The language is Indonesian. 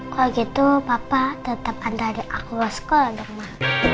kalau gitu papa tetap antar adik aku ke sekolah ma